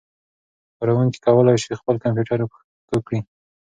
کاروونکي کولای شي خپل کمپيوټر پښتو کړي.